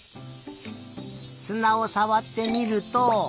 すなをさわってみると。